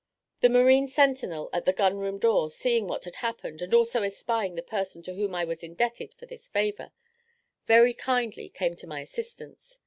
The marine sentinel at the gun room door seeing what had happened, and also espying the person to whom I was indebted for this favour, very kindly came to my assistance.